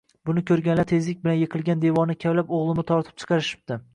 Buni ko`rganlar tezlik bilan yiqilgan devorni kavlab o`g`limni tortib chiqarishibdi